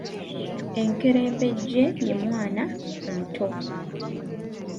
Enkerembejje ye Mwana omuto.